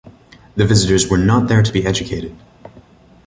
The visitors were not there to be educated.